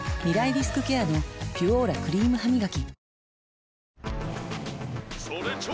リスクケアの「ピュオーラ」クリームハミガキ